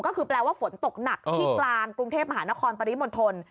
ก็คือแปลว่าฝนตกหนักที่กลางกรุงเทพมหานครปริมณฑล